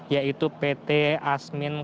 yaitu pt asmin kutub